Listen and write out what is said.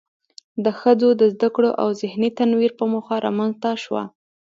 د ښځو د زده کړو او ذهني تنوير په موخه رامنځ ته شوه.